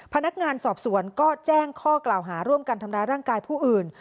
พนักงานสอบสวนก็แจ้งข้อกล่าวหาร่วมกันทำร้ายร่างกายผู้อื่น